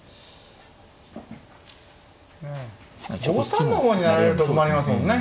５三の方に成られると困りますもんね。